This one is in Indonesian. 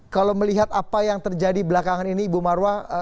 kalau melihat apa yang terjadi belakangan ini ibu marwa